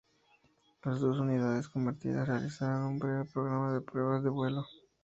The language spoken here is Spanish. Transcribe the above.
Las dos unidades convertidas realizaron un breve programa de pruebas de vuelo.